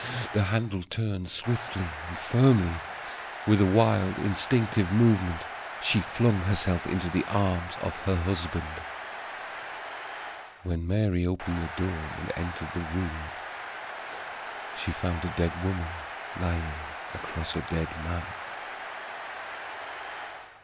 The handle turned, swiftly and firmly. With a wild instinctive movement she flung herself into the arms of her husband. When Mary opened the door and entered the room she found a dead woman lying across a dead man.